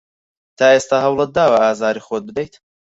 تا ئێستا هەوڵت داوە ئازاری خۆت بدەیت؟